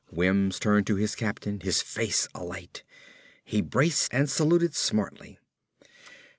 Wims turned to his captain, his face alight. He braced and saluted smartly.